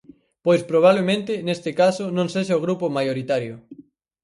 Pois probablemente neste caso non sexa o grupo maioritario.